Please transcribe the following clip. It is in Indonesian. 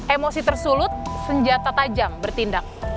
emosi tersulut senjata tajam bertindak